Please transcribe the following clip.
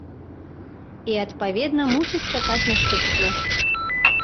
І, адпаведна, мусяць чакаць наступстваў.